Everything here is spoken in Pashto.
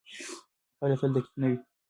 پایله تل دقیقه نه وي.